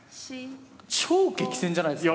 超激戦じゃないすか？